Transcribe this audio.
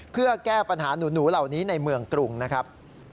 เพื่อแก้ปัญหาหนูเหล่านี้ในเมืองกรุงนะครับ